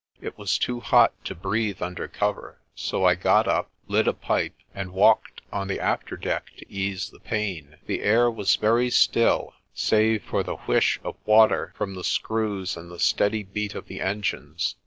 It was too hot to breathe under cover, so I got up, lit a pipe, and walked on the after deck to ease the pain. The air was very still, save for the whish of water from the screws FURTH! FORTUNE! 33 and the steady beat of the engines.